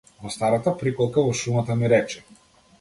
Во старата приколка во шумата ми рече.